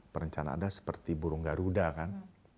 perencanaan ada seperti burung garuda kan